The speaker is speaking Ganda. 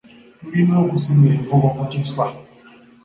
Tulina okusima envubo ku kiswa.